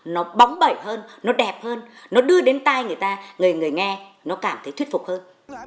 nó bóng bẩy hơn nó đẹp hơn nó đưa đến tay người ta người người nghe nó cảm thấy thuyết phục hơn